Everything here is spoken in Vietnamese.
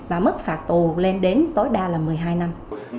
và mức phạt tù lên đến tối đa là một mươi hai năm